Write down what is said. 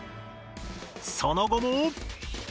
その後も。